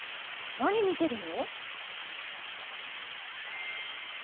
何見てるの？